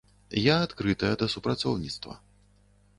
Я адкрытая да супрацоўніцтва.